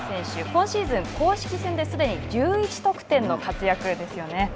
今シーズン、公式戦ですでに１１得点の活躍ですよね。